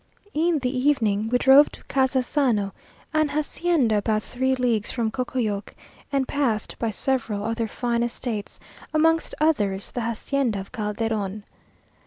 In the evening we drove to Casasano, an hacienda about three leagues from Cocoyoc, and passed by several other fine estates, amongst others, the hacienda of Calderon.